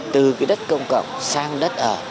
từ cái đất công cộng sang đất ở